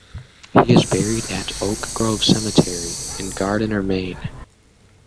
He is buried at Oak Grove Cemetery in Gardiner, Maine.